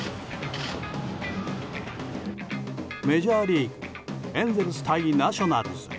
メジャーリーグエンゼルス対ナショナルズ。